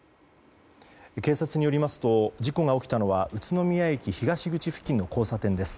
警察によりますと事故が起きたのは宇都宮駅東口付近の交差点です。